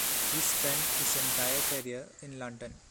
He spent his entire career in London.